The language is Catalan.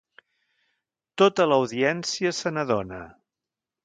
Tota l'audiència se n'adona.